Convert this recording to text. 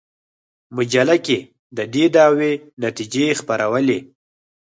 مجله کې د دې دعوې نتیجې خپرولې.